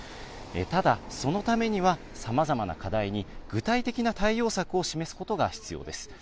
ただ、そのためにはさまざまな課題に具体的な対応策を示すことが必要です。